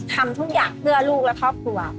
ทำทุกอย่างเพื่อลูกและครอบครัว